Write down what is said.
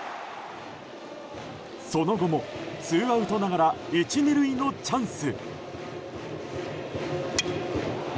その後も、ツーアウトながら１、２塁のチャンス。